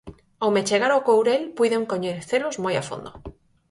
Ao me achegar ao Courel puiden coñecelos moi a fondo.